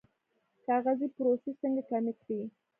کاغذي پروسې څنګه کمې کړو؟